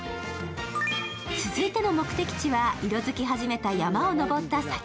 続いての目的地は、色づき始めた山を登った先。